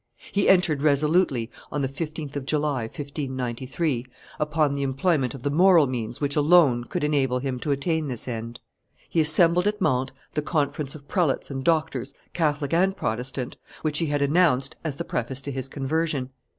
He entered resolutely, on the 15th of July, 1593, upon the employment of the moral means which alone could enable him to attain this end; he assembled at Mantes the conference of prelates and doctors, Catholic and Protestant, which he had announced as the preface to his conversion.